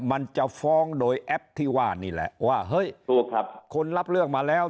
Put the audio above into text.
มันจะฟ้องโดยแอปที่ว่านี่แหละว่าเฮ้ยถูกครับคนรับเรื่องมาแล้ว